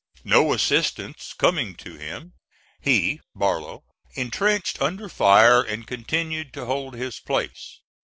No (*33) assistance coming to him, he (Barlow) intrenched under fire and continued to hold his place.